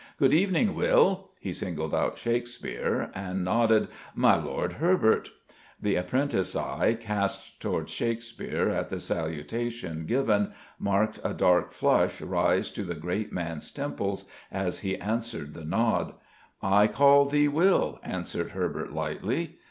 "Good evening, Will!" He singled out Shakespeare, and nodded. "My Lord Herbert!" The apprentice's eye, cast towards Shakespeare at the salutation given, marked a dark flush rise to the great man's temples as he answered the nod. "I called thee 'Will,'" answered Herbert lightly.